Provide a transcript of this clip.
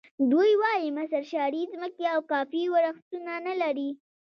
دوی وایي مصر شاړې ځمکې او کافي ورښتونه نه لري.